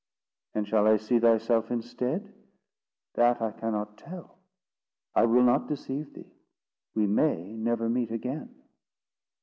"And shall I see thyself instead?" "That I cannot tell, I will not deceive thee; we may never meet again."